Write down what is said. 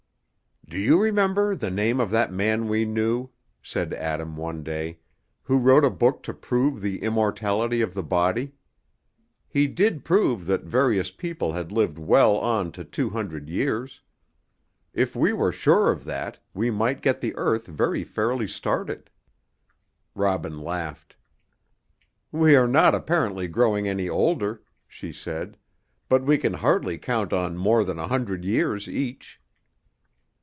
"Do you remember the name of that man we knew," said Adam one day, "who wrote a book to prove the immortality of the body? He did prove that various people had lived well on to two hundred years. If we were sure of that, we might get the earth very fairly started." Robin laughed. "We are not apparently growing any older," she said; "but we can hardly count on more than a hundred years each."